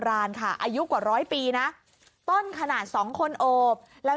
อะไรอีกไหนมา